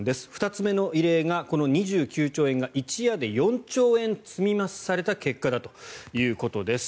２つ目の異例がこの２９兆円が、一夜で４兆円積み増しされた結果だということです。